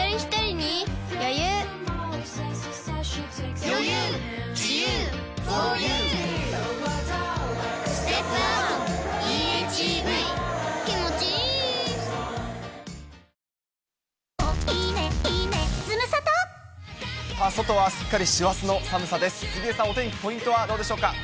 杉江さん、お天気、ポイントはどうでしょうか。